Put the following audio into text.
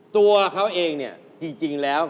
ตัวเขาเองจริงแล้ว